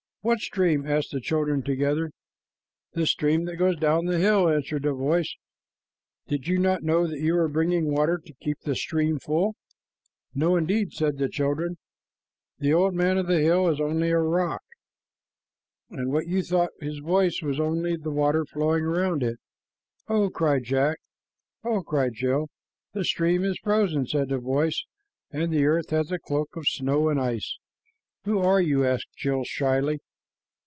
"What stream?" asked the children together. "The stream that goes down the hill," answered the voice. "Did you not know that you were bringing water to keep the stream full?" "No, indeed," said the children. "The old man of the hill is only a rock, and what you thought his voice was only the water flowing around it." "Oh!" cried Jack. "Oh!" cried Jill. "The stream is frozen," said the voice, "and the earth has a cloak of snow and ice." "Who are you?" asked Jill shyly.